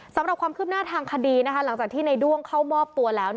สำหรับความคืบหน้าทางคดีหลังจากที่ในด้วงเข้ามอบตัวแล้ว